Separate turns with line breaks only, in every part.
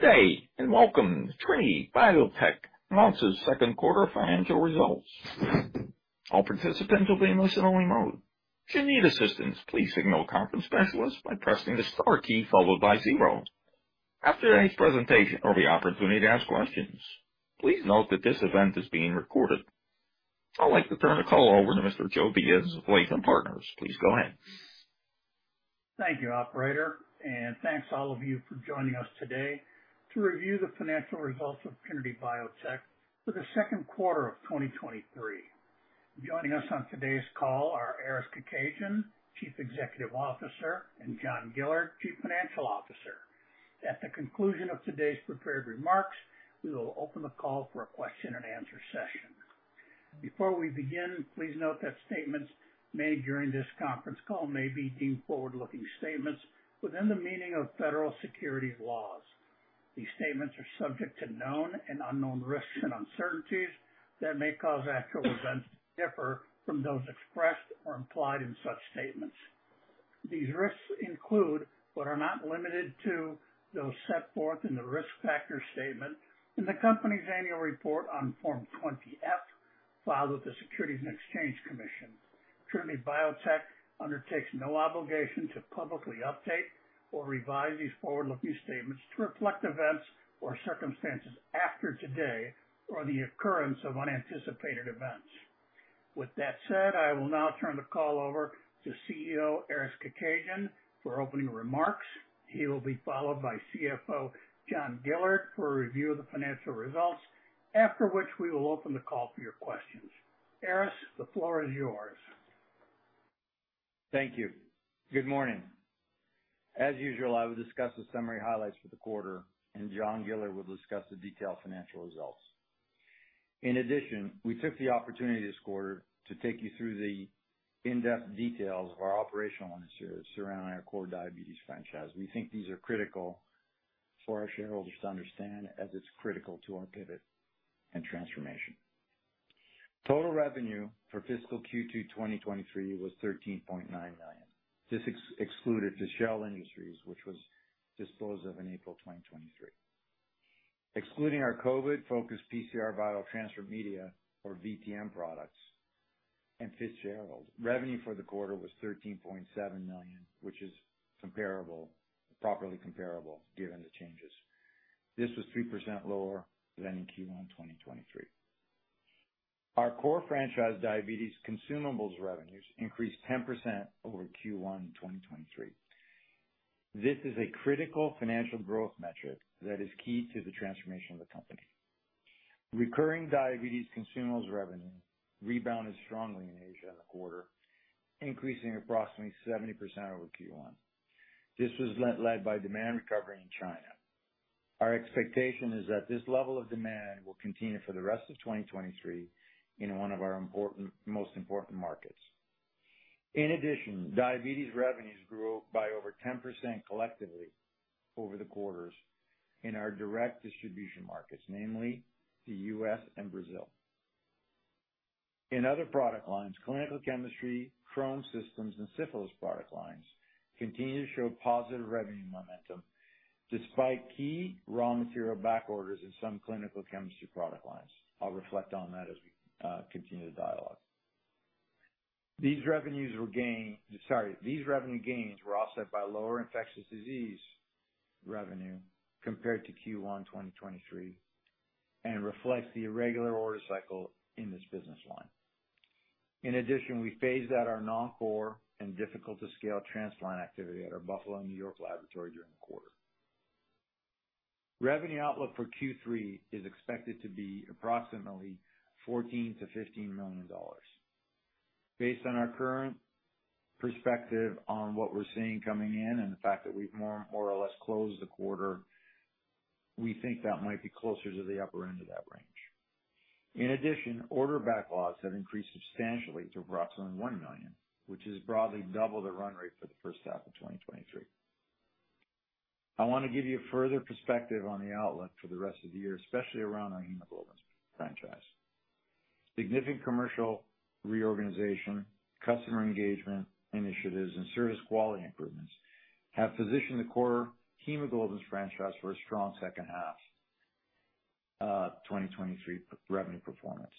Good day, and welcome. Trinity Biotech announces second quarter financial results. All participants will be in listen-only mode. If you need assistance, please signal a conference specialist by pressing the star key followed by zero. After today's presentation, there will be opportunity to ask questions. Please note that this event is being recorded. I'd like to turn the call over to Mr. Joe Diaz of Lytham Partners. Please go ahead.
Thank you, operator, and thanks all of you for joining us today to review the financial results of Trinity Biotech for the second quarter of 2023. Joining us on today's call are Aris Kekedjian, Chief Executive Officer, and John Gillard, Chief Financial Officer. At the conclusion of today's prepared remarks, we will open the call for a question and answer session. Before we begin, please note that statements made during this conference call may be deemed forward-looking statements within the meaning of federal securities laws. These statements are subject to known and unknown risks and uncertainties that may cause actual events to differ from those expressed or implied in such statements. These risks include, but are not limited to, those set forth in the risk factor statement in the company's annual report on Form 20-F, filed with the Securities and Exchange Commission. Trinity Biotech undertakes no obligation to publicly update or revise these forward-looking statements to reflect events or circumstances after today or the occurrence of unanticipated events. With that said, I will now turn the call over to Chief Executive Officer, Aris Kekedjian, for opening remarks. He will be followed by Chief Financial Officer, John Gillard, for a review of the financial results, after which we will open the call for your questions. Aris, the floor is yours.
Thank you. Good morning. As usual, I will discuss the summary highlights for the quarter, and John Gillard will discuss the detailed financial results. In addition, we took the opportunity this quarter to take you through the in-depth details of our operational initiatives surrounding our core diabetes franchise. We think these are critical for our shareholders to understand, as it's critical to our pivot and transformation. Total revenue for fiscal Q2 2023 was $13.9 million. This excluded Fitzgerald Industries, which was disposed of in April 2023. Excluding our COVID-focused PCR viral transport media, or VTM products, and Fitzgerald, revenue for the quarter was $13.7 million, which is comparable, properly comparable, given the changes. This was 3% lower than in Q1 2023. Our core franchise diabetes consumables revenues increased 10% over Q1 2023. This is a critical financial growth metric that is key to the transformation of the company. Recurring diabetes consumables revenue rebounded strongly in Asia in the quarter, increasing approximately 70% over Q1. This was led by demand recovery in China. Our expectation is that this level of demand will continue for the rest of 2023 in one of our important. most important markets. In addition, diabetes revenues grew by over 10% collectively over the quarters in our direct distribution markets, namely the U.S. and Brazil. In other product lines, clinical chemistry, Chromsystems, and syphilis product lines continue to show positive revenue momentum despite key raw material back orders in some clinical chemistry product lines. I'll reflect on that as we continue the dialogue. These revenues were gained. Sorry, these revenue gains were offset by lower infectious disease revenue compared to Q1 2023, and reflect the irregular order cycle in this business line. In addition, we phased out our non-core and difficult-to-scale transplant activity at our Buffalo, New York laboratory during the quarter. Revenue outlook for Q3 is expected to be approximately $14 million-$15 million. Based on our current perspective on what we're seeing coming in and the fact that we've more or less closed the quarter, we think that might be closer to the upper end of that range. In addition, order backlogs have increased substantially to approximately $1 million, which is broadly double the run rate for the first half of 2023. I wanna give you further perspective on the outlook for the rest of the year, especially around our hemoglobin franchise. Significant commercial reorganization, customer engagement initiatives, and service quality improvements have positioned the core hemoglobins franchise for a strong second half, 2023 revenue performance.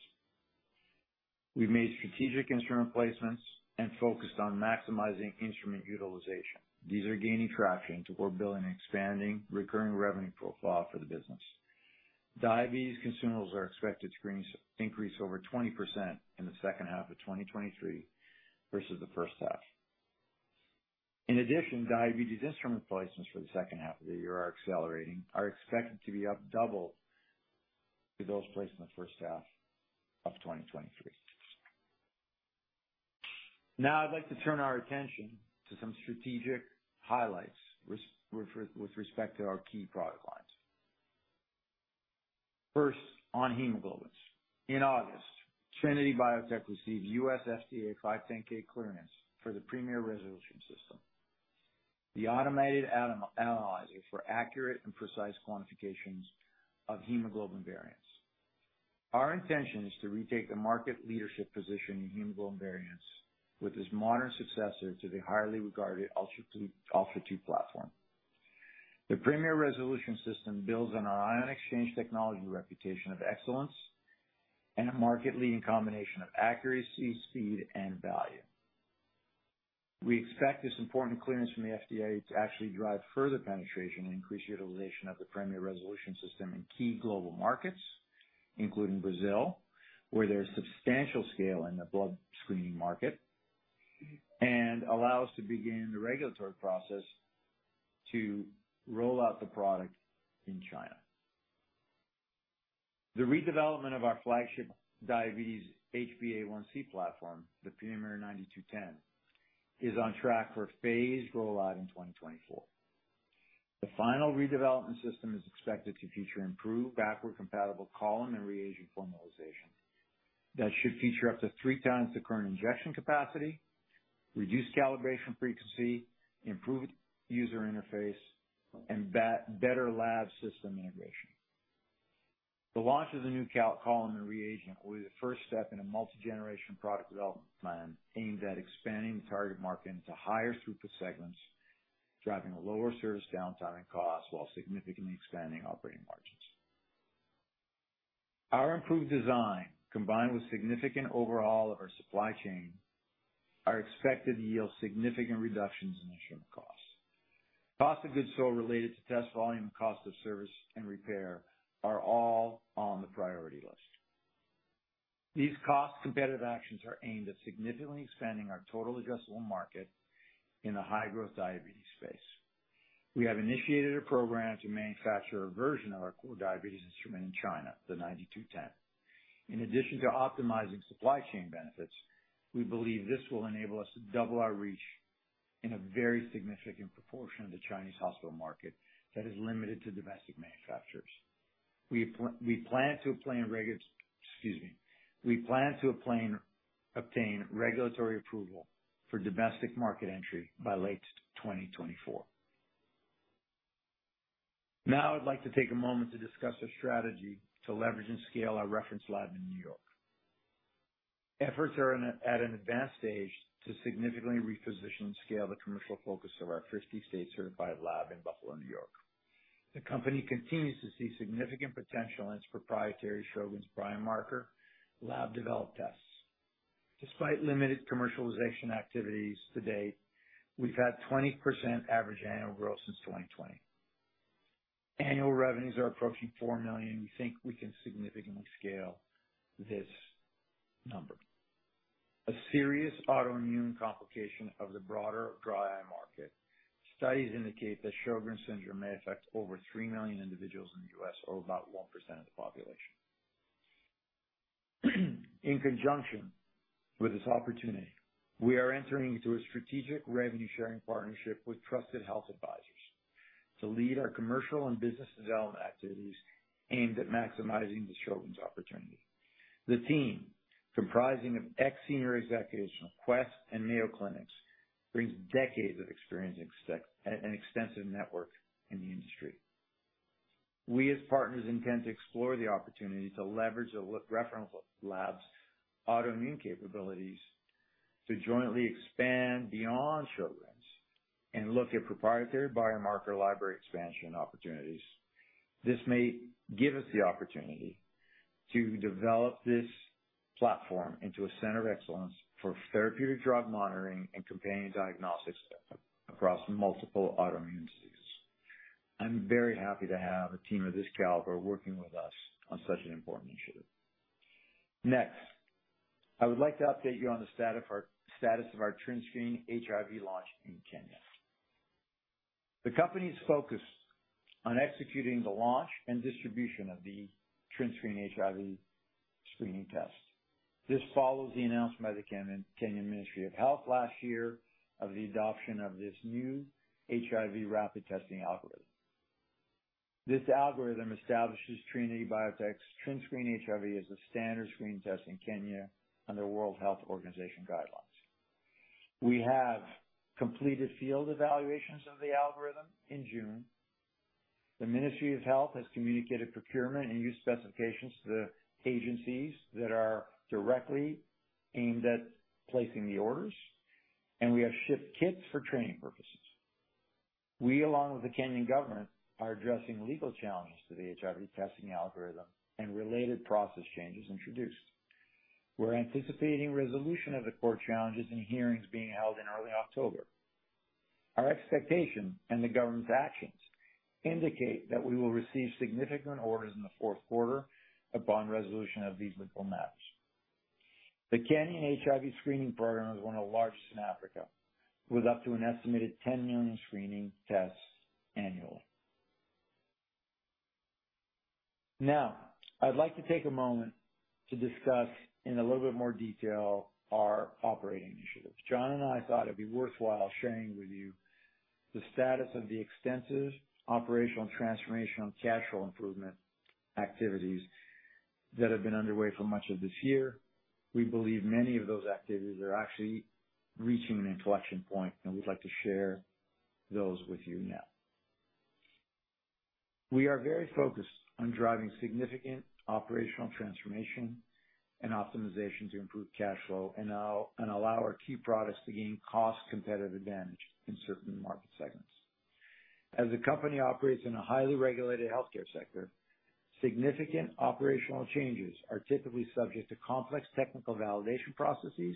We've made strategic instrument placements and focused on maximizing instrument utilization. These are gaining traction toward building an expanding recurring revenue profile for the business. Diabetes consumables are expected to increase over 20% in the second half of 2023 versus the first half. In addition, diabetes instrument placements for the second half of the year are accelerating, expected to be up double to those placed in the first half of 2023. Now I'd like to turn our attention to some strategic highlights with respect to our key product lines. First, on hemoglobins. In August, Trinity Biotech received U.S. FDA 510(k) clearance for the Premier Resolution system, the automated analyzer for accurate and precise quantifications of hemoglobin variants. Our intention is to retake the market leadership position in hemoglobin variants with this modern successor to the highly regarded Ultra2 platform. The Premier Resolution system builds on our ion exchange technology reputation of excellence and a market-leading combination of accuracy, speed, and value. We expect this important clearance from the FDA to actually drive further penetration and increase utilization of the Premier Resolution system in key global markets, including Brazil, where there's substantial scale in the blood screening market, and allow us to begin the regulatory process to roll out the product in China. The redevelopment of our flagship diabetes HbA1c platform, the Premier Hb9210, is on track for a phased roll-out in 2024. The final redevelopment system is expected to feature improved backward-compatible column and reagent formulation that should feature up to three times the current injection capacity, reduced calibration frequency, improved user interface, and better lab system integration. The launch of the new column and reagent will be the first step in a multi-generation product development plan aimed at expanding the target market into higher throughput segments, driving a lower service downtime and cost, while significantly expanding operating margins. Our improved design, combined with significant overhaul of our supply chain, are expected to yield significant reductions in instrument costs. Cost of goods sold related to test volume, cost of service, and repair are all on the priority list. These cost competitive actions are aimed at significantly expanding our total addressable market in the high-growth diabetes space. We have initiated a program to manufacture a version of our core diabetes instrument in China, the 9210. In addition to optimizing supply chain benefits, we believe this will enable us to double our reach in a very significant proportion of the Chinese hospital market that is limited to domestic manufacturers. We plan to obtain regulatory approval for domestic market entry by late 2024. Now, I'd like to take a moment to discuss our strategy to leverage and scale our reference lab in New York. Efforts are at an advanced stage to significantly reposition and scale the commercial focus of our CLIA-certified lab in Buffalo, New York. The company continues to see significant potential in its proprietary Sjögren's biomarker lab development tests. Despite limited commercialization activities to date, we've had 20% average annual growth since 2020. Annual revenues are approaching $4 million, and we think we can significantly scale this number. A serious autoimmune complication of the broader dry eye market. Studies indicate that Sjögren's syndrome may affect over 3 million individuals in the U.S., or about 1% of the population. In conjunction with this opportunity, we are entering into a strategic revenue-sharing partnership with trusted health advisors to lead our commercial and business development activities aimed at maximizing the Sjögren's opportunity. The team, comprising of ex-senior executives from Quest and Mayo Clinic, brings decades of experience and extensive network in the industry. We, as partners, intend to explore the opportunity to leverage the reference lab's autoimmune capabilities to jointly expand beyond Sjögren's and look at proprietary biomarker library expansion opportunities. This may give us the opportunity to develop this platform into a center of excellence for therapeutic drug monitoring and companion diagnostics across multiple autoimmune diseases. I'm very happy to have a team of this caliber working with us on such an important initiative. Next, I would like to update you on the status of our TrinScreen HIV launch in Kenya. The company's focused on executing the launch and distribution of the TrinScreen HIV screening test. This follows the announcement by the Kenyan Ministry of Health last year of the adoption of this new HIV rapid testing algorithm. This algorithm establishes Trinity Biotech's TrinScreen HIV as the standard screening test in Kenya under World Health Organization guidelines. We have completed field evaluations of the algorithm in June. The Ministry of Health has communicated procurement and use specifications to the agencies that are directly aimed at placing the orders, and we have shipped kits for training purposes. We, along with the Kenyan government, are addressing legal challenges to the HIV testing algorithm and related process changes introduced. We're anticipating resolution of the court challenges and hearings being held in early October. Our expectation and the government's actions indicate that we will receive significant orders in the fourth quarter upon resolution of these legal matters. The Kenyan HIV screening program is one of the largest in Africa, with up to an estimated 10 million screening tests annually. Now, I'd like to take a moment to discuss, in a little bit more detail, our operating initiatives. John and I thought it'd be worthwhile sharing with you the status of the extensive operational transformation and financial improvement activities that have been underway for much of this year. We believe many of those activities are actually reaching an inflection point, and we'd like to share those with you now... We are very focused on driving significant operational transformation and optimization to improve cash flow and allow our key products to gain cost competitive advantage in certain market segments. As the company operates in a highly regulated healthcare sector, significant operational changes are typically subject to complex technical validation processes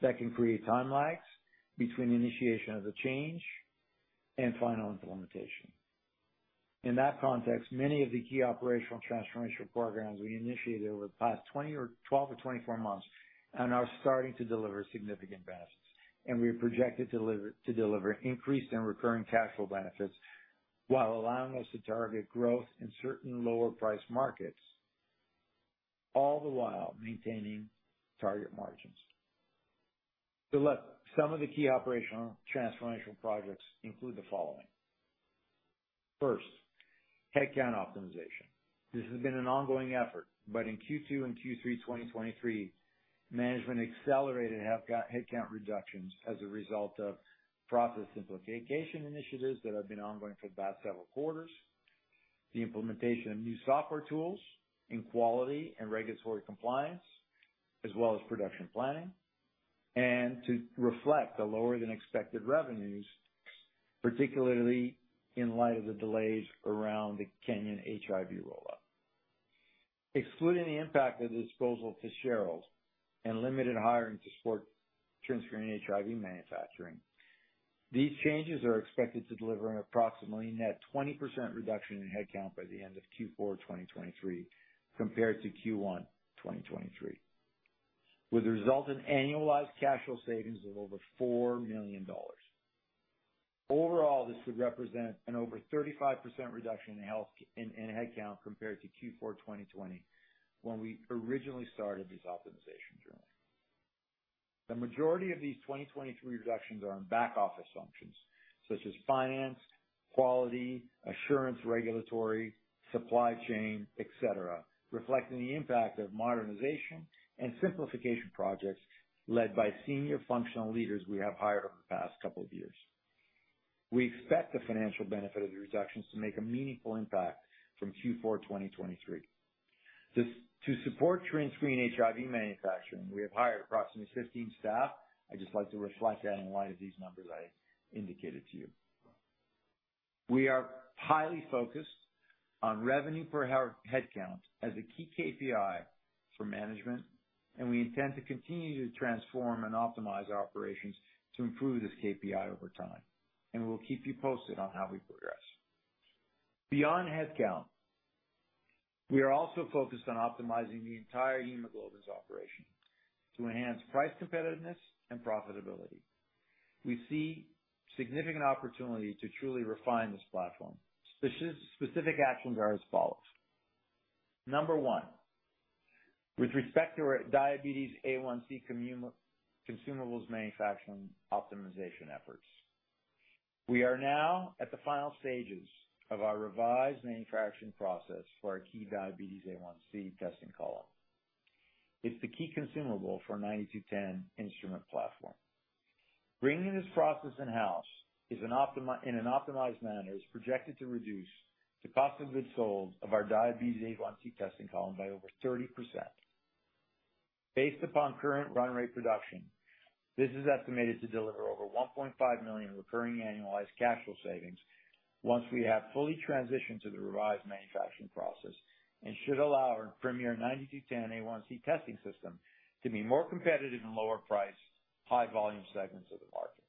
that can create time lags between initiation of the change and final implementation. In that context, many of the key operational transformational programs we initiated over the past 20 or 12-24 months and are starting to deliver significant benefits, and we are projected to deliver increased and recurring cash flow benefits while allowing us to target growth in certain lower-priced markets, all the while maintaining target margins. Some of the key operational transformational projects include the following: First, headcount optimization. This has been an ongoing effort, but in Q2 and Q3 2023, management accelerated headcount reductions as a result of process simplification initiatives that have been ongoing for the past several quarters, the implementation of new software tools in quality and regulatory compliance, as well as production planning, and to reflect the lower-than-expected revenues, particularly in light of the delays around the Kenyan HIV rollout. Excluding the impact of the disposal to Sherald and limited hiring to support TrinScreen HIV manufacturing, these changes are expected to deliver an approximately net 20% reduction in headcount by the end of Q4 2023, compared to Q1 2023, with a result in annualized cash flow savings of over $4 million. Overall, this would represent an over 35% reduction in headcount compared to Q4 2020, when we originally started this optimization journey. The majority of these 2023 reductions are in back-office functions such as finance, quality assurance, regulatory, supply chain, et cetera, reflecting the impact of modernization and simplification projects led by senior functional leaders we have hired over the past couple of years. We expect the financial benefit of the reductions to make a meaningful impact from Q4 2023. To support TrinScreen HIV manufacturing, we have hired approximately 15 staff. I'd just like to reflect that in light of these numbers I indicated to you. We are highly focused on revenue per our headcount as a key KPI for management, and we intend to continue to transform and optimize our operations to improve this KPI over time, and we'll keep you posted on how we progress. Beyond headcount, we are also focused on optimizing the entire hemoglobins operation to enhance price competitiveness and profitability. We see significant opportunity to truly refine this platform. Specific actions are as follows: Number 1, with respect to our Diabetes A1C consumables manufacturing optimization efforts, we are now at the final stages of our revised manufacturing process for our key Diabetes A1C testing column. It's the key consumable for our 9210 instrument platform. Bringing this process in-house in an optimized manner is projected to reduce the cost of goods sold of our diabetes A1C testing column by over 30%. Based upon current run rate production, this is estimated to deliver over $1.5 million recurring annualized cash flow savings once we have fully transitioned to the revised manufacturing process, and should allow our Premier 9210 A1C testing system to be more competitive in lower price, high volume segments of the market.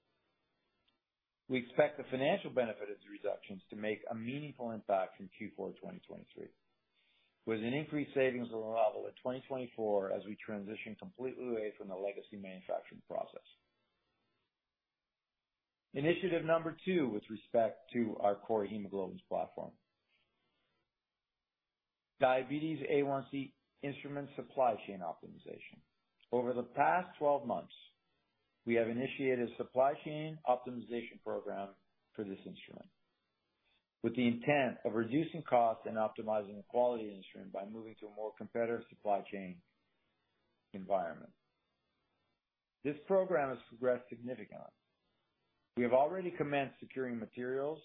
We expect the financial benefit of the reductions to make a meaningful impact in Q4 2023, with an increased savings level in 2024 as we transition completely away from the legacy manufacturing process. Initiative number two, with respect to our core hemoglobins platform, diabetes A1C instrument supply chain optimization. Over the past 12 months, we have initiated a supply chain optimization program for this instrument, with the intent of reducing costs and optimizing the quality of the instrument by moving to a more competitive supply chain environment. This program has progressed significantly. We have already commenced securing materials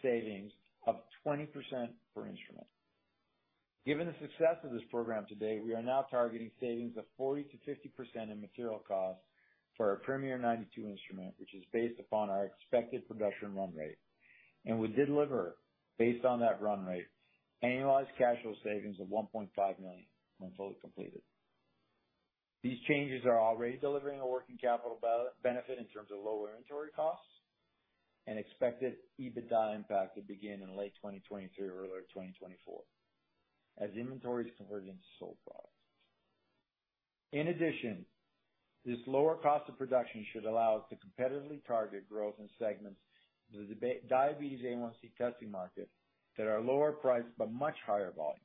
savings of 20% per instrument. Given the success of this program to date, we are now targeting savings of 40%-50% in material costs for our Premier 92 instrument, which is based upon our expected production run rate, and would deliver, based on that run rate, annualized cash flow savings of $1.5 million when fully completed. These changes are already delivering a working capital benefit in terms of lower inventory costs and expected EBITDA impact to begin in late 2023 or early 2024 as inventories convert into sold products. In addition, this lower cost of production should allow us to competitively target growth in segments of the diabetes A1C testing market that are lower priced, but much higher volume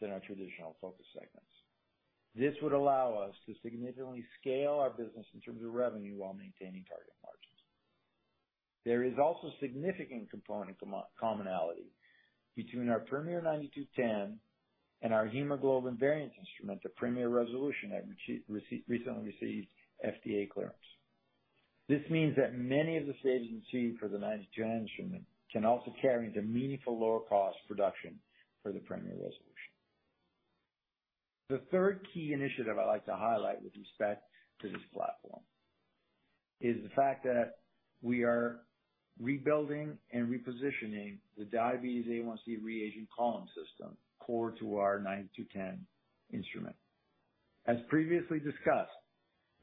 than our traditional focus segments. This would allow us to significantly scale our business in terms of revenue while maintaining target margins. There is also significant component commonality between our Premier 9210 and our hemoglobin variant instrument, the Premier Resolution, that recently received FDA clearance. This means that many of the savings achieved for the 9210 instrument can also carry into meaningful lower cost production for the Premier Resolution. The third key initiative I'd like to highlight with respect to this platform is the fact that we are rebuilding and repositioning the diabetes A1C reagent column system core to our 9210 instrument. As previously discussed,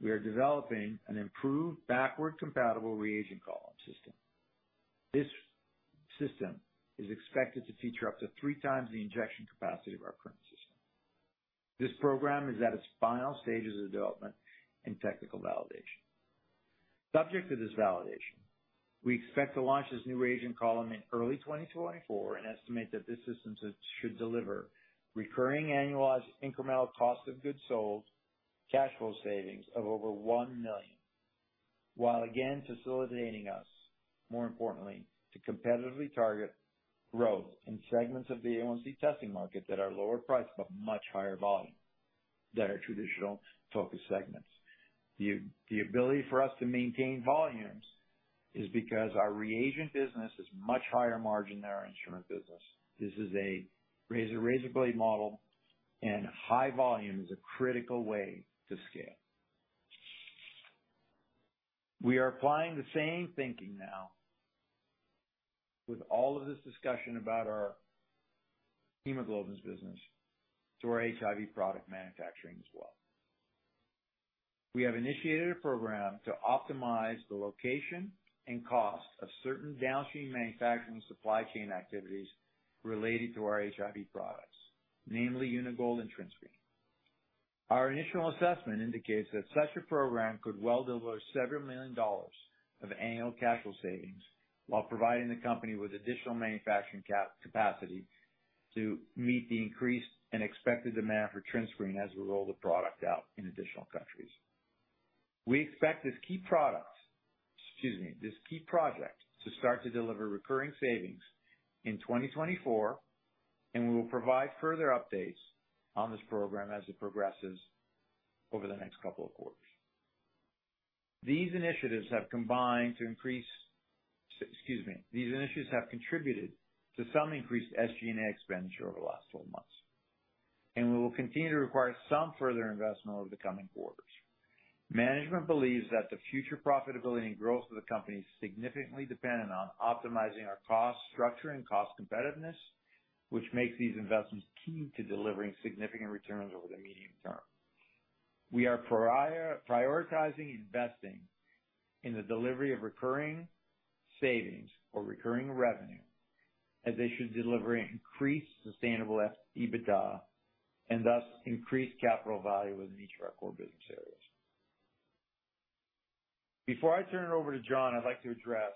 we are developing an improved backward-compatible reagent column system. This system is expected to feature up to 3 times the injection capacity of our current system. This program is at its final stages of development and technical validation. Subject to this validation, we expect to launch this new reagent column in early 2024, and estimate that this system should deliver recurring annualized incremental cost of goods sold, cash flow savings of over $1 million, while again facilitating us, more importantly, to competitively target growth in segments of the A1C testing market that are lower price, but much higher volume than our traditional focus segments. The ability for us to maintain volumes is because our reagent business is much higher margin than our instrument business. This is a razor-blade model, and high volume is a critical way to scale. We are applying the same thinking now with all of this discussion about our hemoglobins business to our HIV product manufacturing as well. We have initiated a program to optimize the location and cost of certain downstream manufacturing supply chain activities related to our HIV products, namely Uni-Gold and TrinScreen. Our initial assessment indicates that such a program could well deliver $several million of annual capital savings while providing the company with additional manufacturing capacity to meet the increased and expected demand for TrinScreen as we roll the product out in additional countries. We expect this key product, excuse me, this key project, to start to deliver recurring savings in 2024, and we will provide further updates on this program as it progresses over the next couple of quarters. These initiatives have contributed to some increased SG&A expenditure over the last twelve months, and we will continue to require some further investment over the coming quarters. Management believes that the future profitability and growth of the company is significantly dependent on optimizing our cost structure and cost competitiveness, which makes these investments key to delivering significant returns over the medium term. We are prioritizing investing in the delivery of recurring savings or recurring revenue, as they should deliver increased sustainable EBITDA, and thus increase capital value within each of our core business areas. Before I turn it over to John, I'd like to address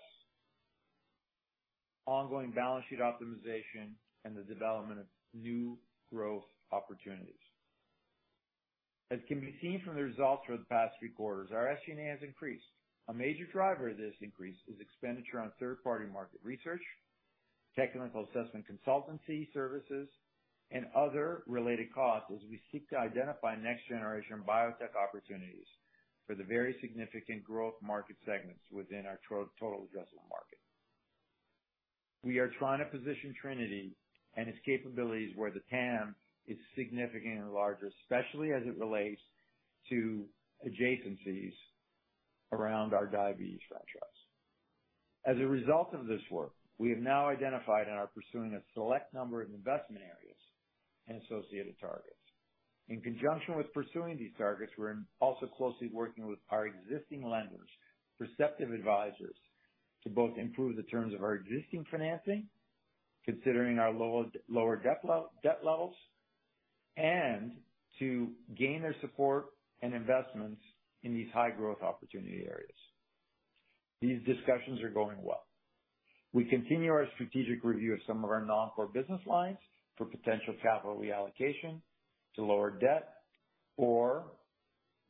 ongoing balance sheet optimization and the development of new growth opportunities. As can be seen from the results over the past three quarters, our SG&A has increased. A major driver of this increase is expenditure on third-party market research, technical assessment consultancy services, and other related costs as we seek to identify next-generation biotech opportunities for the very significant growth market segments within our total addressable market. We are trying to position Trinity and its capabilities where the TAM is significantly larger, especially as it relates to adjacencies around our diabetes franchise. As a result of this work, we have now identified and are pursuing a select number of investment areas and associated targets. In conjunction with pursuing these targets, we're also closely working with our existing lenders, Perceptive Advisors, to both improve the terms of our existing financing, considering our lower debt levels, and to gain their support and investments in these high-growth opportunity areas. These discussions are going well. We continue our strategic review of some of our non-core business lines for potential capital reallocation to lower debt or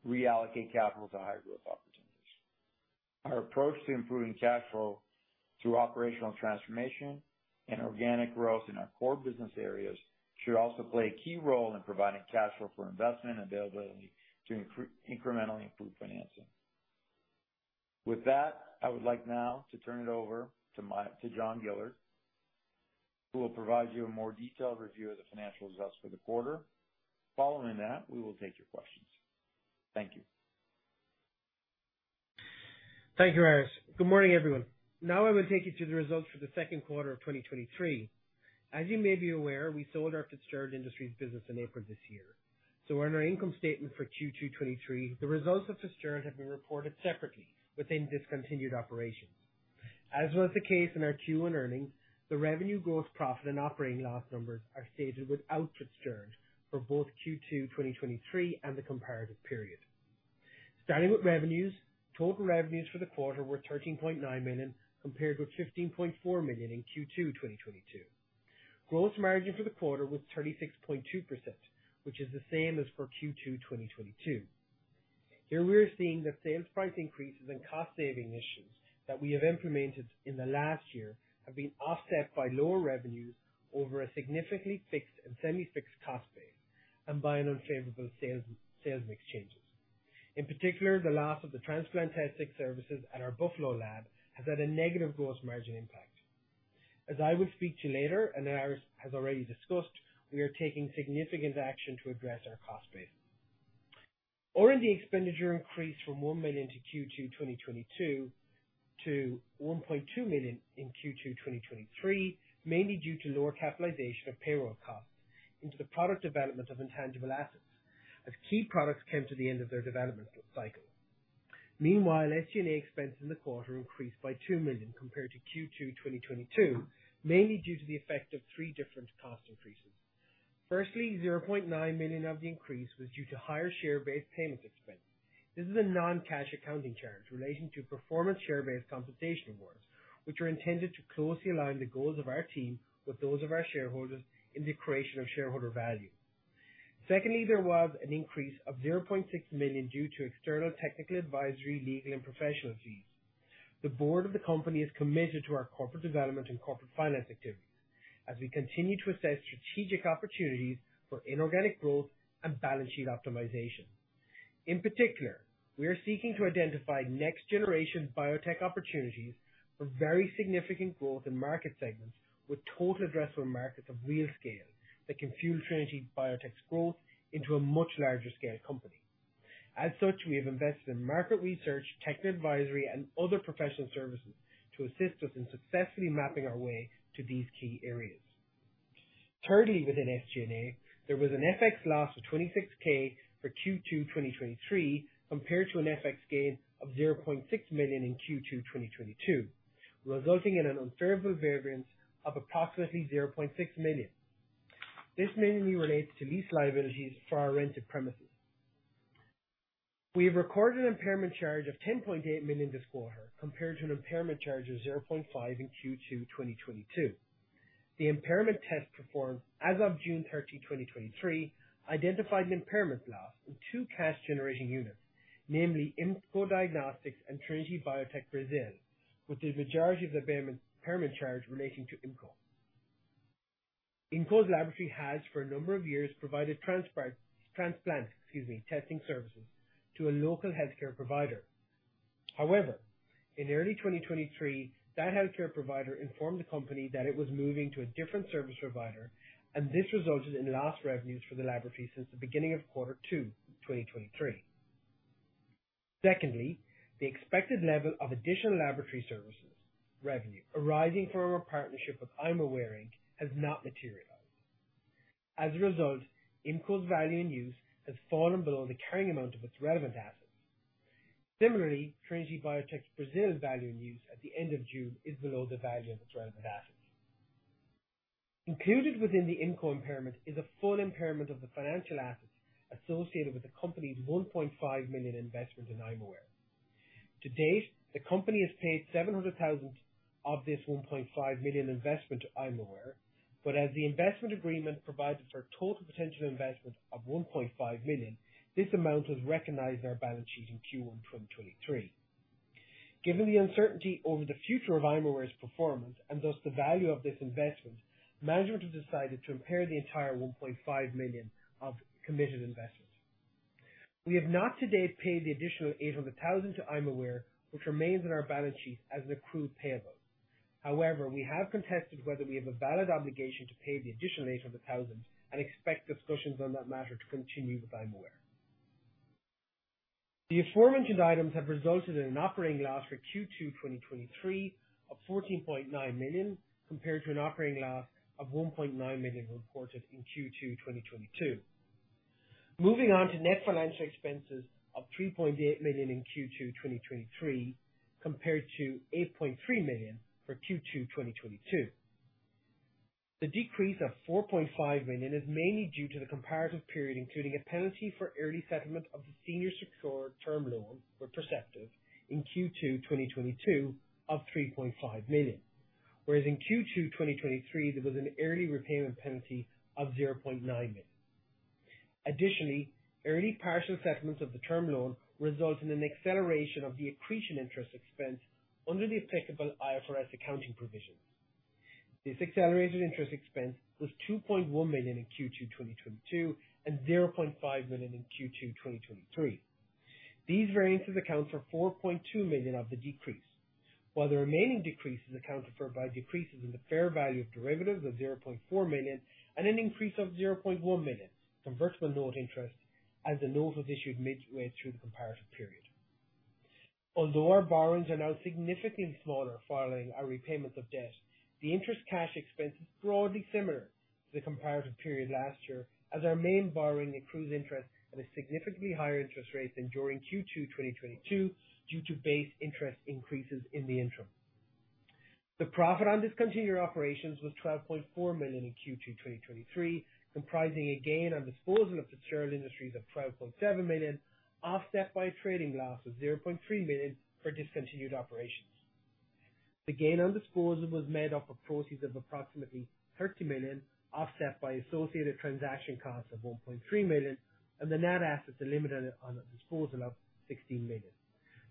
reallocate capital to high-growth opportunities. Our approach to improving cash flow through operational transformation and organic growth in our core business areas should also play a key role in providing cash flow for investment and availability to incrementally improve financing. With that, I would like now to turn it over to my, to John Gillard, who will provide you a more detailed review of the financial results for the quarter. Following that, we will take your questions. Thank you.
Thank you, Aris. Good morning, everyone. Now I will take you through the results for the second quarter of 2023. As you may be aware, we sold our Fitzgerald Industries business in April this year. So on our income statement for Q2 2023, the results of Fitzgerald have been reported separately within discontinued operations. As was the case in our Q1 earnings, the revenue, gross profit, and operating loss numbers are stated without Fitzgerald for both Q2 2023 and the comparative period. Starting with revenues, total revenues for the quarter were $13.9 million, compared with $15.4 million in Q2 2022. Gross margin for the quarter was 36.2%, which is the same as for Q2 2022. Here we are seeing that sales price increases and cost saving initiatives that we have implemented in the last year have been offset by lower revenues over a significantly fixed and semi-fixed cost base... and by an unfavorable sales, sales exchanges. In particular, the loss of the transplant testing services at our Buffalo lab has had a negative gross margin impact. As I will speak to later, and Aris has already discussed, we are taking significant action to address our cost base. R&D expenditure increased from $1 million in Q2 2022 to $1.2 million in Q2 2023, mainly due to lower capitalization of payroll costs into the product development of intangible assets, as key products came to the end of their development cycle. Meanwhile, SG&A expenses in the quarter increased by $2 million compared to Q2 2022, mainly due to the effect of three different cost increases. Firstly, $0.9 million of the increase was due to higher share-based payment expense. This is a non-cash accounting charge relating to performance share-based compensation awards, which are intended to closely align the goals of our team with those of our shareholders in the creation of shareholder value. Secondly, there was an increase of $0.6 million due to external technical advisory, legal and professional fees. The board of the company is committed to our corporate development and corporate finance activities as we continue to assess strategic opportunities for inorganic growth and balance sheet optimization. In particular, we are seeking to identify next generation biotech opportunities for very significant growth in market segments with total addressable markets of real scale that can fuel Trinity Biotech's growth into a much larger scale company. As such, we have invested in market research, technical advisory, and other professional services to assist us in successfully mapping our way to these key areas. Thirdly, within SG&A, there was an FX loss of $26K for Q2, 2023, compared to an FX gain of $0.6 million in Q2, 2022, resulting in an unfavorable variance of approximately $0.6 million. This mainly relates to lease liabilities for our rented premises. We have recorded an impairment charge of $10.8 million this quarter, compared to an impairment charge of $0.5 in Q2, 2022. The impairment test performed as of June 30, 2023, identified an impairment loss in two cash-generating units, namely, Immco Diagnostics and Trinity Biotech Brazil, with the majority of the impairment charge relating to Immco. Immco's laboratory has, for a number of years, provided transplant testing services to a local healthcare provider. However, in early 2023, that healthcare provider informed the company that it was moving to a different service provider, and this resulted in lost revenues for the laboratory since the beginning of quarter 2, 2023. Secondly, the expected level of additional laboratory services revenue arising from our partnership with Imaware, Inc. has not materialized. As a result, Immco's value in use has fallen below the carrying amount of its relevant assets. Similarly, Trinity Biotech Brazil's value in use at the end of June is below the value of its relevant assets. Included within the Immco impairment is a full impairment of the financial assets associated with the company's $1.5 million investment in Imaware. To date, the company has paid $700,000 of this $1.5 million investment to Imaware, but as the investment agreement provided for total potential investment of $1.5 million, this amount was recognized on our balance sheet in Q1 2023. Given the uncertainty over the future of Imaware's performance, and thus the value of this investment, management has decided to impair the entire $1.5 million of committed investment. We have not to date paid the additional $800,000 to Imaware, which remains on our balance sheet as an accrued payable. However, we have contested whether we have a valid obligation to pay the additional $800,000 and expect discussions on that matter to continue with Imaware. The aforementioned items have resulted in an operating loss for Q2 2023 of $14.9 million, compared to an operating loss of $1.9 million reported in Q2 2022. Moving on to net financial expenses of $3.8 million in Q2 2023, compared to $8.3 million for Q2 2022. The decrease of $4.5 million is mainly due to the comparative period, including a penalty for early settlement of the senior secured term loan with Perceptive in Q2 2022 of $3.5 million. Whereas in Q2 2023, there was an early repayment penalty of $0.9 million. Additionally, early partial settlements of the term loan result in an acceleration of the accretion interest expense under the applicable IFRS accounting provisions. This accelerated interest expense was $2.1 million in Q2 2022, and $0.5 million in Q2 2023. These variances account for $4.2 million of the decrease, while the remaining decreases accounted for by decreases in the fair value of derivatives of $0.4 million and an increase of $0.1 million from convertible note interest as the note was issued midway through the comparative period. Although our borrowings are now significantly smaller following our repayment of debt, the interest cash expense is broadly similar to the comparative period last year, as our main borrowing accrues interest at a significantly higher interest rate than during Q2 2022, due to base interest increases in the interim. The profit on discontinued operations was $12.4 million in Q2 2023, comprising a gain on disposal of Fitzgerald Industries of $12.7 million, offset by a trading loss of $0.3 million for discontinued operations. The gain on disposal was made up of proceeds of approximately $30 million, offset by associated transaction costs of $1.3 million and the net assets eliminated on the disposal of $16 million.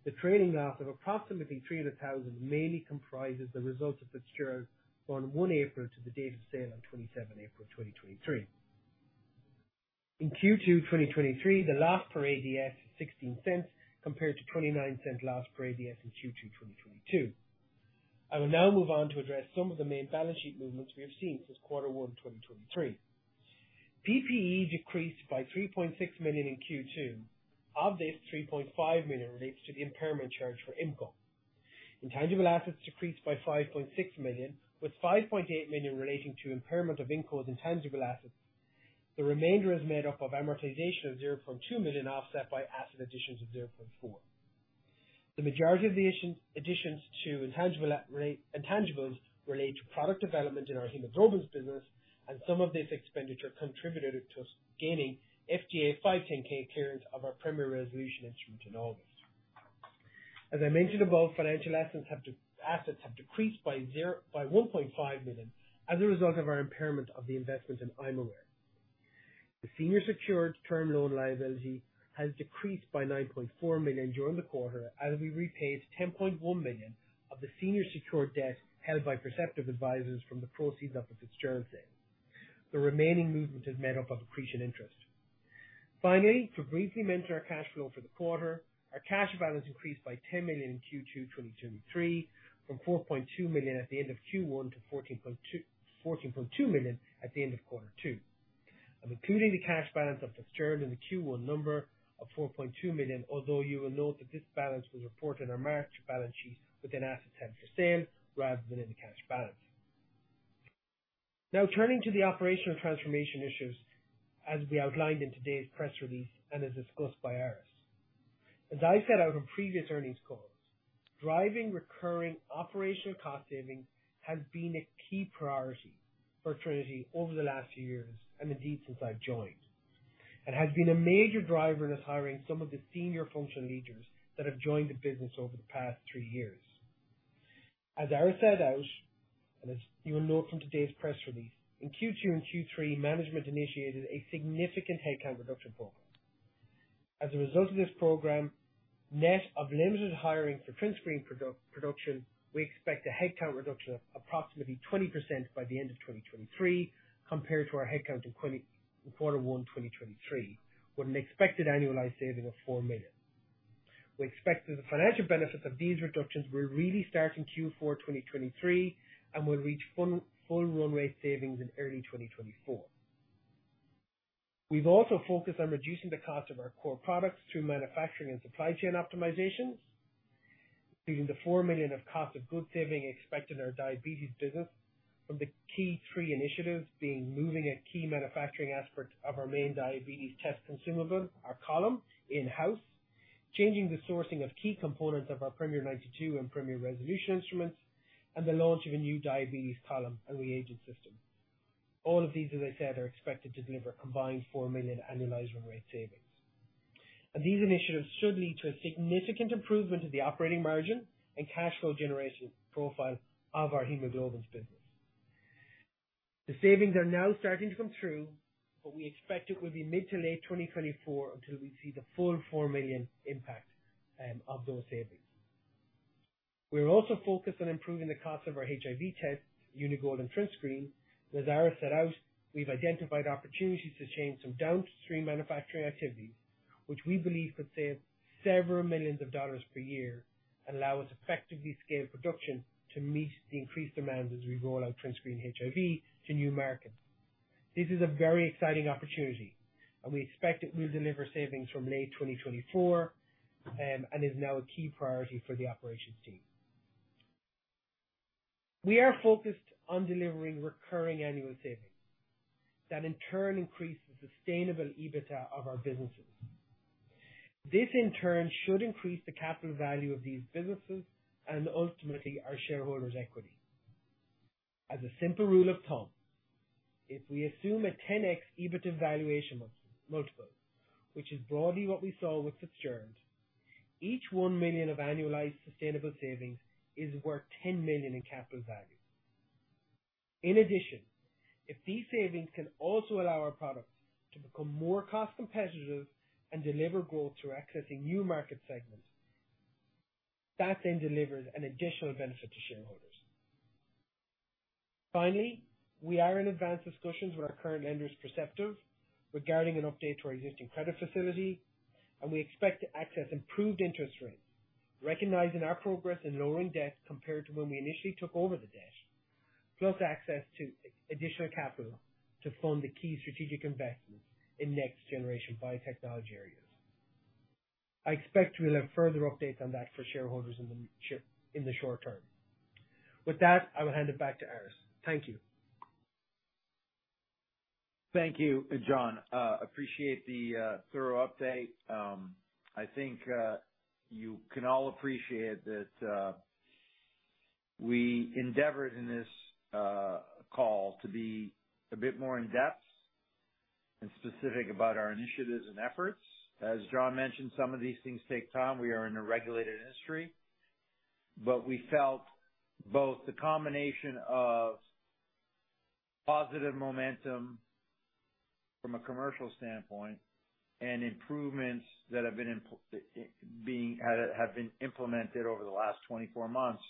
The trading loss of approximately $300,000 mainly comprises the results of Fitzgerald on April 1 to the date of sale on April 27, 2023. In Q2 2023, the loss per ADS is $0.16 compared to $0.29 cent loss per ADS in Q2 2022. I will now move on to address some of the main balance sheet movements we have seen since quarter one, 2023. PPE decreased by $3.6 million in Q2. Of this, $3.5 million relates to the impairment charge for Immco. Intangible assets decreased by $5.6 million, with $5.8 million relating to impairment of Immco's intangible assets. The remainder is made up of amortization of $0.2 million, offset by asset additions of $0.4 million. The majority of the additions to intangibles relate to product development in our hemoglobins business, and some of this expenditure contributed to us gaining FDA 510(k) clearance of our Premier Resolution instrument in August. As I mentioned above, financial assets have decreased by $1.5 million as a result of our impairment of the investment in Imaware. The senior secured term loan liability has decreased by $9.4 million during the quarter, as we repaid $10.1 million of the senior secured debt held by Perceptive Advisors from the proceeds of the Fitzgerald sale. The remaining movement is made up of accretion interest. Finally, to briefly mention our cash flow for the quarter, our cash balance increased by $10 million in Q2 2023, from $4.2 million at the end of Q1 to $14.2 million, $14.2 million at the end of quarter two. I'm including the cash balance of Fitzgerald in the Q1 number of $4.2 million, although you will note that this balance was reported on our March balance sheet within assets held for sale rather than in the cash balance. Now, turning to the operational transformation issues, as we outlined in today's press release and as discussed by Aris. As I set out on previous earnings calls, driving recurring operational cost savings has been a key priority for Trinity over the last few years and indeed since I've joined. It has been a major driver in our hiring some of the senior functional leaders that have joined the business over the past three years. As Aris set out, and as you will note from today's press release, in Q2 and Q3, management initiated a significant headcount reduction program. As a result of this program, net of limited hiring for TrinScreen production, we expect a headcount reduction of approximately 20% by the end of 2023, compared to our headcount in Q1 2023, with an expected annualized saving of $4 million. We expect that the financial benefits of these reductions will really start in Q4 2023, and will reach full, full run rate savings in early 2024. We've also focused on reducing the cost of our core products through manufacturing and supply chain optimizations, including the $4 million of cost of goods saving expected in our diabetes business from the key three initiatives, being moving a key manufacturing aspect of our main diabetes test consumable, our column, in-house, changing the sourcing of key components of our Premier 92 and Premier Resolution instruments, and the launch of a new diabetes column and reagent system. All of these, as I said, are expected to deliver a combined $4 million annualized run rate savings. And these initiatives should lead to a significant improvement in the operating margin and cash flow generation profile of our hemoglobins business. The savings are now starting to come through, but we expect it will be mid- to late 2024 until we see the full $4 million impact of those savings. We are also focused on improving the cost of our HIV test, Uni-Gold and TrinScreen. As Aris set out, we've identified opportunities to change some downstream manufacturing activities, which we believe could save several million dollars per year and allow us to effectively scale production to meet the increased demands as we roll out TrinScreen HIV to new markets. This is a very exciting opportunity, and we expect it will deliver savings from late 2024 and is now a key priority for the operations team. We are focused on delivering recurring annual savings that in turn increase the sustainable EBITDA of our businesses. This, in turn, should increase the capital value of these businesses and ultimately our shareholders' equity. As a simple rule of thumb, if we assume a 10x EBITDA valuation multiple, which is broadly what we saw with Fitzgerald, each $1 million of annualized sustainable savings is worth $10 million in capital value. In addition, if these savings can also allow our products to become more cost competitive and deliver growth through accessing new market segments, that then delivers an additional benefit to shareholders. Finally, we are in advanced discussions with our current lenders, Perceptive, regarding an update to our existing credit facility, and we expect to access improved interest rates, recognizing our progress in lowering debt compared to when we initially took over the debt, plus access to additional capital to fund the key strategic investments in next-generation biotechnology areas. I expect we'll have further updates on that for shareholders in the short term. With that, I will hand it back to Aris. Thank you.
Thank you, John. Appreciate the thorough update. I think you can all appreciate that we endeavored in this call to be a bit more in depth and specific about our initiatives and efforts. As John mentioned, some of these things take time. We are in a regulated industry, but we felt both the combination of positive momentum from a commercial standpoint and improvements that have been implemented over the last 24 months.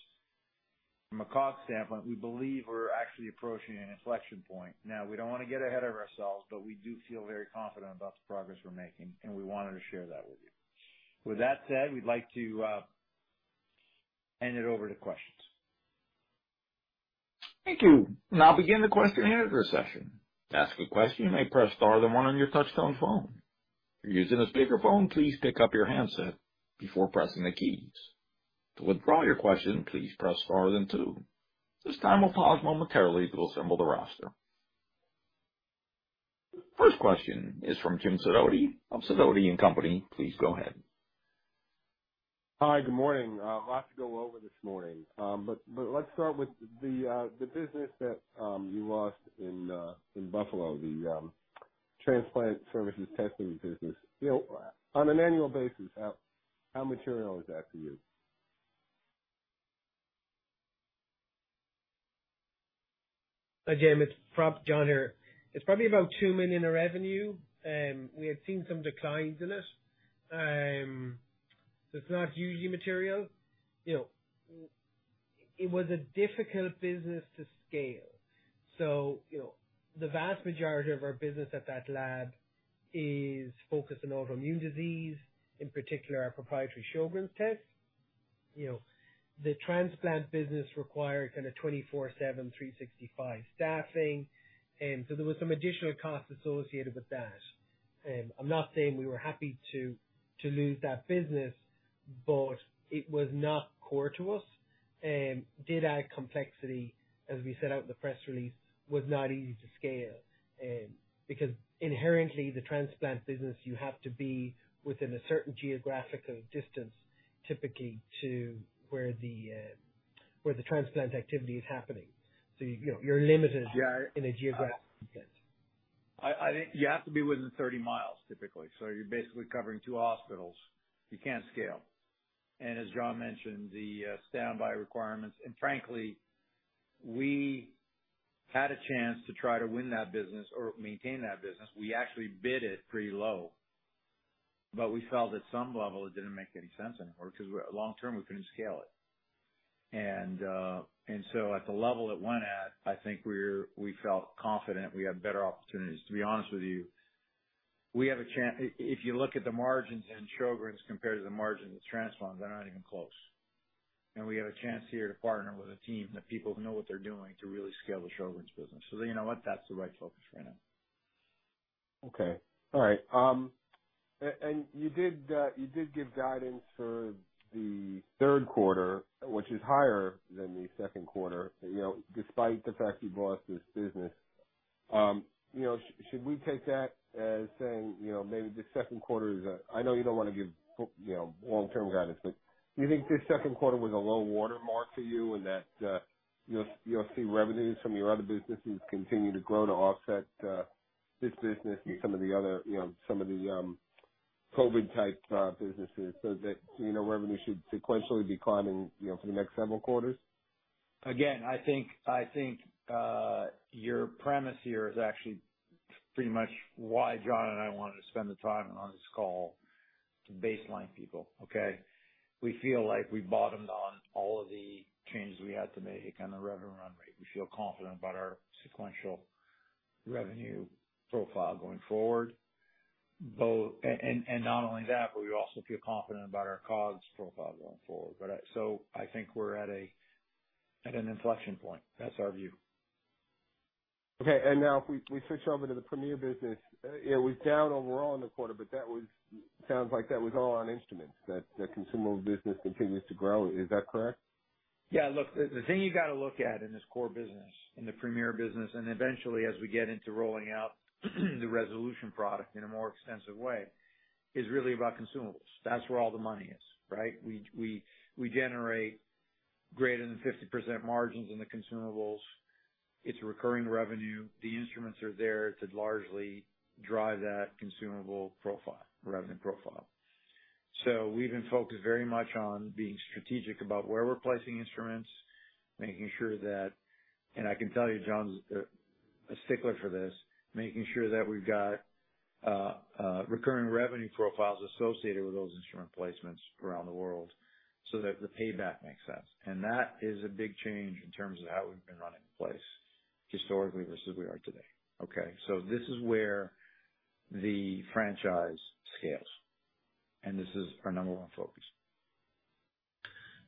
From a cost standpoint, we believe we're actually approaching an inflection point. Now, we don't want to get ahead of ourselves, but we do feel very confident about the progress we're making, and we wanted to share that with you. With that said, we'd like to hand it over to questions.
Thank you. Now begin the question and answer session. To ask a question, you may press star then one on your touchtone phone. If you're using a speakerphone, please pick up your handset before pressing the keys. To withdraw your question, please press star then two. This time we'll pause momentarily to assemble the roster. First question is from James Sidoti of Sidoti & Company. Please go ahead.
Hi, good morning. A lot to go over this morning, but let's start with the business that you lost in Buffalo, the transplant services testing business. You know, on an annual basis, how material is that to you?
Hi, James, it's John here. It's probably about $2 million in revenue, and we had seen some declines in it. It's not hugely material. You know, it was a difficult business to scale. So, you know, the vast majority of our business at that lab is focused on autoimmune disease, in particular, our proprietary Sjögren's test. You know, the transplant business required kind of 24/7, 365 staffing, and so there was some additional costs associated with that. I'm not saying we were happy to lose that business, but it was not core to us and did add complexity, as we set out in the press release, was not easy to scale. Because inherently, the transplant business, you have to be within a certain geographical distance, typically, to where the transplant activity is happening. So you know, you're limited. In a geographic sense.
I think you have to be within 30 miles typically, so you're basically covering two hospitals. You can't scale. And as John mentioned, the standby requirements. And frankly, we had a chance to try to win that business or maintain that business. We actually bid it pretty low, but we felt at some level it didn't make any sense anymore, because we're, long term, we couldn't scale it. And so at the level it went at, I think we're, we felt confident we had better opportunities. To be honest with you, we have a chance. If you look at the margins in Sjögren's compared to the margins in transplants, they're not even close. And we have a chance here to partner with a team of people who know what they're doing to really scale the Sjögren's business. So you know what? That's the right focus right now.
Okay. All right. And you did give guidance for the third quarter, which is higher than the second quarter, you know, despite the fact you've lost this business. You know, should we take that as saying, you know, maybe the second quarter is a... I know you don't want to give, you know, long-term guidance, but do you think this second quarter was a low watermark for you and that you'll see revenues from your other businesses continue to grow to offset this business and some of the other, you know, some of the COVID-type businesses, so that, you know, revenue should sequentially be climbing, you know, for the next several quarters?
Again, I think your premise here is actually pretty much why John and I wanted to spend the time on this call to baseline people, okay? We feel like we bottomed on all of the changes we had to make on the revenue run rate. We feel confident about our sequential revenue profile going forward, both, and not only that, but we also feel confident about our costs profile going forward. But so I think we're at an inflection point. That's our view.
Okay. Now if we switch over to the Premier business, it was down overall in the quarter, but that was, sounds like that was all on instruments, that the consumable business continues to grow. Is that correct?
Yeah, look, the thing you got to look at in this core business, in the premier business, and eventually as we get into rolling out the resolution product in a more extensive way, is really about consumables. That's where all the money is, right? We generate greater than 50% margins in the consumables. It's recurring revenue. The instruments are there to largely drive that consumable profile, revenue profile. So we've been focused very much on being strategic about where we're placing instruments, making sure that, and I can tell you, John's a stickler for this, making sure that we've got recurring revenue profiles associated with those instrument placements around the world so that the payback makes sense. And that is a big change in terms of how we've been running the place historically versus we are today. Okay, so this is where the franchise scales, and this is our number one focus.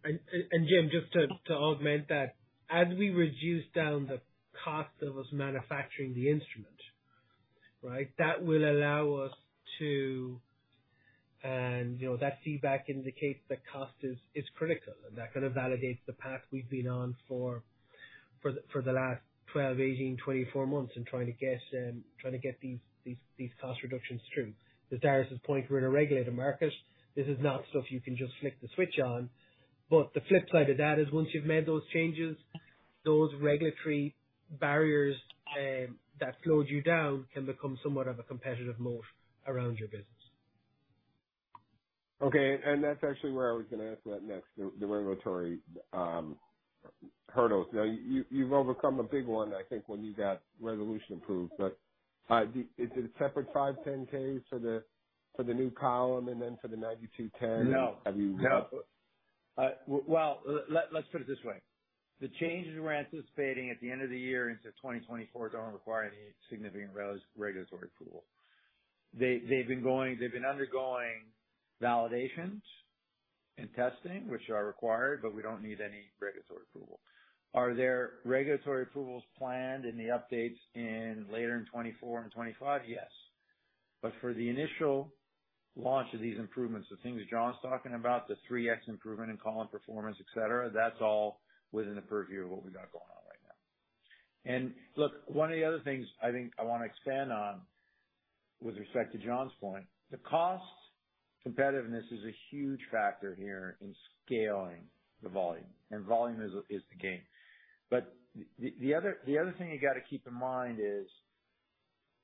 And, Jim, just to augment that, as we reduce down the cost of us manufacturing the instrument, right? That will allow us to... And, you know, that feedback indicates that cost is critical, and that kind of validates the path we've been on for the last 12, 18, 24 months in trying to get these cost reductions through. But Aris's point, we're in a regulated market. This is not stuff you can just flick the switch on. But the flip side of that is once you've made those changes, those regulatory barriers that slowed you down can become somewhat of a competitive moat around your business.
Okay, and that's actually where I was gonna ask about next, the, the regulatory hurdles. Now, you, you've overcome a big one, I think, when you got Resolution approved, but, is it a separate 510(k) for the, for the new column and then for the 9210?
No.
Have you-
No. Well, let's put it this way. The changes we're anticipating at the end of the year into 2024 don't require any significant regulatory approval. They've been undergoing validations and testing, which are required, but we don't need any regulatory approval. Are there regulatory approvals planned in the updates in later in 2024 and 2025? Yes. But for the initial launch of these improvements, the things that John's talking about, the 3x improvement in column performance, et cetera, that's all within the purview of what we got going on right now. And look, one of the other things I think I wanna expand on with respect to John's point, the cost competitiveness is a huge factor here in scaling the volume, and volume is, is the game. The other thing you got to keep in mind is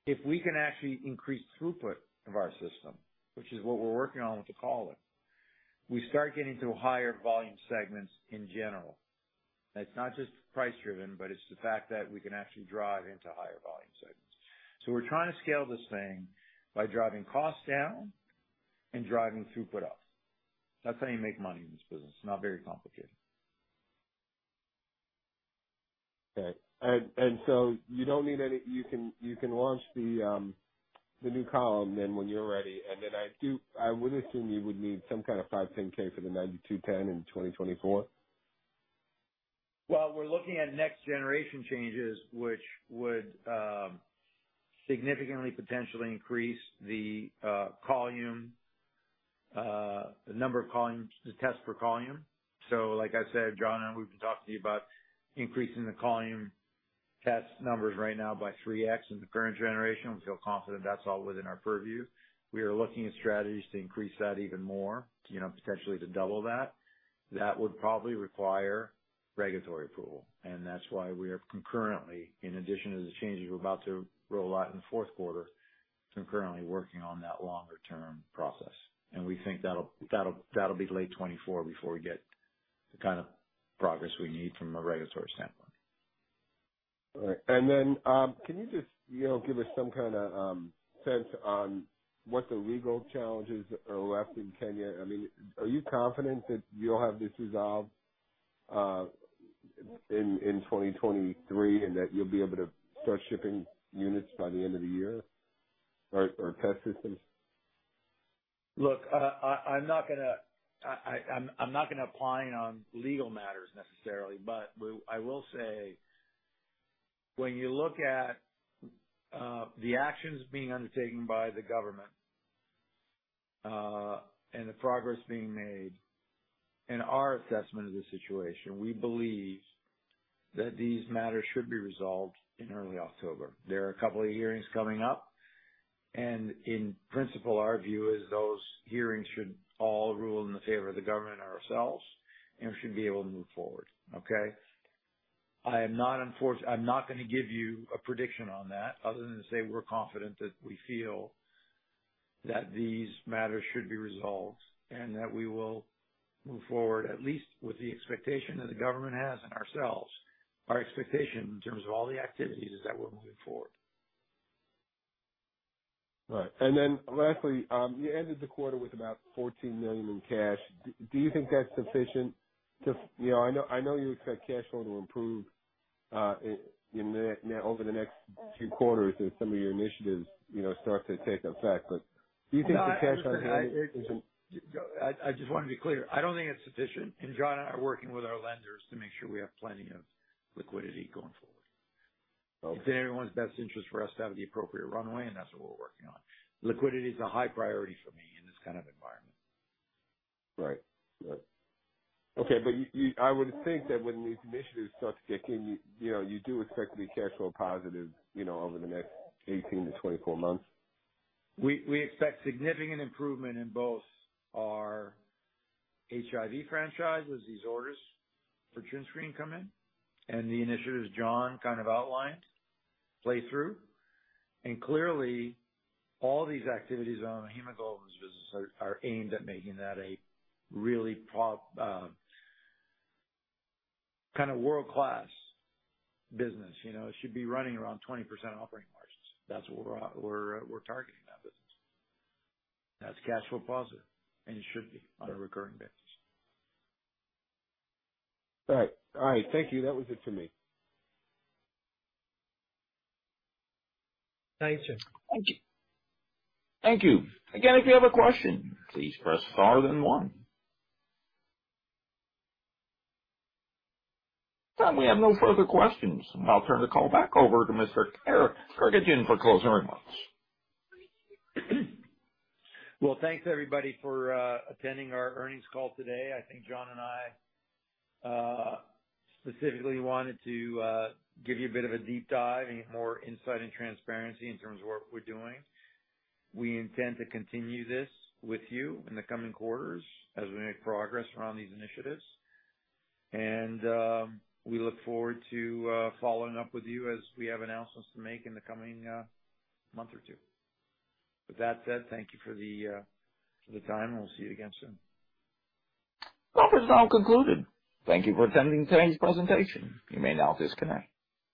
if we can actually increase throughput of our system, which is what we're working on with the column, we start getting to higher volume segments in general. It's not just price driven, but it's the fact that we can actually drive into higher volume segments. So we're trying to scale this thing by driving costs down and driving throughput up. That's how you make money in this business. Not very complicated.
Okay, so you don't need any... You can launch the new column then when you're ready. And then I would assume you would need some kind of 510(k) for the 9210 in 2024?
Well, we're looking at next generation changes, which would significantly potentially increase the column the number of columns, the test per column. So like I said, John and I, we've been talking to you about increasing the column test numbers right now by 3x in the current generation. We feel confident that's all within our purview. We are looking at strategies to increase that even more, you know, potentially to double that. That would probably require regulatory approval, and that's why we are concurrently, in addition to the changes we're about to roll out in the fourth quarter, concurrently working on that longer-term process. And we think that'll be late 2024 before we get the kind of progress we need from a regulatory standpoint.
All right. Can you just, you know, give us some kind of sense on what the legal challenges are left in Kenya? I mean, are you confident that you'll have this resolved in 2023, and that you'll be able to start shipping units by the end of the year or test systems?
Look, I'm not gonna... I'm not gonna opine on legal matters necessarily, but I will say, when you look at the actions being undertaken by the government, and the progress being made, and our assessment of the situation, we believe that these matters should be resolved in early October. There are a couple of hearings coming up, and in principle, our view is those hearings should all rule in the favor of the government and ourselves, and we should be able to move forward. Okay? I am not unfortunate- I'm not gonna give you a prediction on that other than to say we're confident that we feel that these matters should be resolved, and that we will move forward, at least with the expectation that the government has and ourselves. Our expectation in terms of all the activities, is that we're moving forward.
Right. And then lastly, you ended the quarter with about $14 million in cash. Do you think that's sufficient to... You know, I know, I know you expect cash flow to improve over the next few quarters as some of your initiatives, you know, start to take effect. But do you think the cash on hand is-
I just want to be clear. I don't think it's sufficient, and John and I are working with our lenders to make sure we have plenty of liquidity going forward.
Okay.
It's in everyone's best interest for us to have the appropriate runway, and that's what we're working on. Liquidity is a high priority for me in this kind of environment.
Right. Right. Okay, but I would think that when these initiatives start to kick in, you, you know, you do expect to be cash flow positive, you know, over the next 18-24 months.
We expect significant improvement in both our HIV franchise as these orders for TrinScreen come in and the initiatives John kind of outlined play through. And clearly, all these activities on the hemoglobin business are aimed at making that a really pro- kind of world-class business. You know, it should be running around 20% operating margins. That's what we're targeting in that business. That's cash flow positive, and it should be on a recurring basis.
All right. All right. Thank you. That was it for me.
Thank you.
Thank you. Thank you. Again, if you have a question, please press star then one. At this time, we have no further questions. I'll turn the call back over to Mr. Kekedjian for closing remarks.
Well, thanks, everybody, for attending our earnings call today. I think John and I specifically wanted to give you a bit of a deep dive and get more insight and transparency in terms of what we're doing. We intend to continue this with you in the coming quarters as we make progress around these initiatives. We look forward to following up with you as we have announcements to make in the coming month or two. With that said, thank you for the time. We'll see you again soon.
The conference is now concluded. Thank you for attending today's presentation. You may now disconnect.